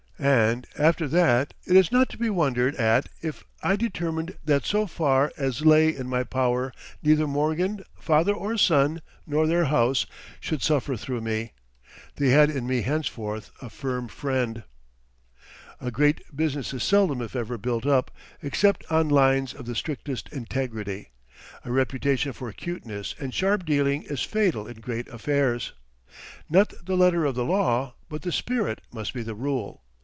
And, after that, it is not to be wondered at if I determined that so far as lay in my power neither Morgan, father or son, nor their house, should suffer through me. They had in me henceforth a firm friend. [Illustration: JOHN PIERPONT MORGAN] A great business is seldom if ever built up, except on lines of the strictest integrity. A reputation for "cuteness" and sharp dealing is fatal in great affairs. Not the letter of the law, but the spirit, must be the rule.